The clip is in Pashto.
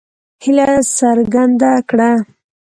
هیله څرګنده کړه.